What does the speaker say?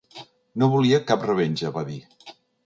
No volia cap revenja, va dir.